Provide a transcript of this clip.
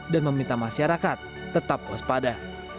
dan meminta masyarakat tetap waspada